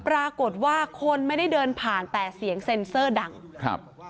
ปรากฏว่าคนไม่ได้เดินผ่านแต่เสียงเซ็นเซอร์ดังครับ